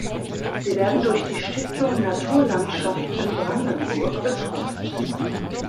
Sie werden durch die Stiftung Naturlandschaften Brandenburg betreut.